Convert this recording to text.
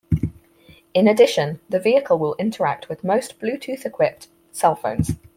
In addition, the vehicle will interact with most Bluetooth-equipped cell phones.